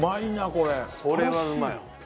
これはうまい！